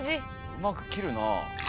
うまく切るなあ。